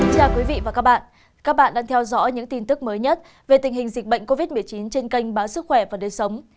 chào quý vị và các bạn các bạn đang theo dõi những tin tức mới nhất về tình hình dịch bệnh covid một mươi chín trên kênh báo sức khỏe và đời sống